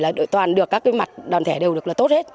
là toàn được các cái mặt đoàn thẻ đều được là tốt hết